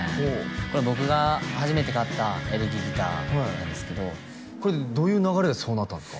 これ僕が初めて買ったエレキギターなんですけどこれどういう流れでそうなったんですか？